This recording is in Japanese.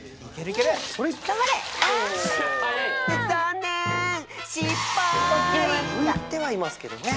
ういてはいますけどね。